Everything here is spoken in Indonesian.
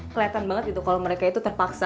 keliatan banget gitu kalo mereka itu terpaksa